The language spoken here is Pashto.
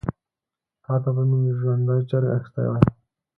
تا ته به مي ژوندی چرګ اخیستی وای .